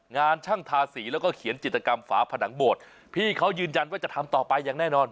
ช่างทาสีแล้วก็เขียนจิตกรรมฝาผนังโบสถพี่เขายืนยันว่าจะทำต่อไปอย่างแน่นอน